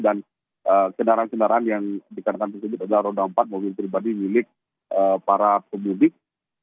dan kendaraan kendaraan yang dikandangkan seperti itu adalah roda empat mobil pribadi milik para pemudik